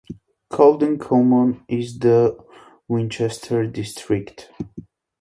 Colden Common is in the Winchester District.